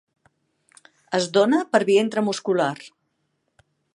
Es dóna per via intramuscular.